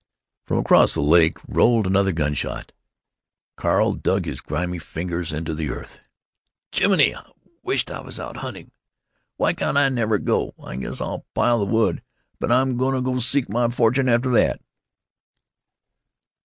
From across the lake rolled another gun shot. Carl dug his grimy fingers into the earth. "Jiminy! I wisht I was out hunting. Why can't I never go? I guess I'll pile the wood, but I'm gonna go seek my fortune after that."